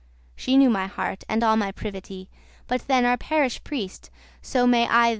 She knew my heart, and all my privity, Bet than our parish priest, so may I the.